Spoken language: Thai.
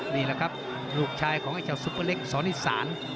นี่แหละครับลูกชายของไอ้เจ้าซุปเปอร์เล็กสอนอีสาน